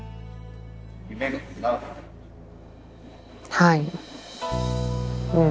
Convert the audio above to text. はい。